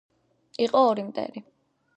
იყო ორი მტერი